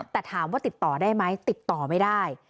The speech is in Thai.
แต่ถามว่าติดต่อได้ไหมติดต่อไม่ได้